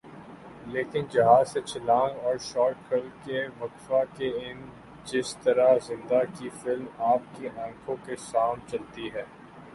لیکن جہاز سے چھلانگ ر اور شوٹ کھل کے وقفہ کے ان جسطرح زندہ کی فلم آپ کی آنکھوں کے سام چلتی ہے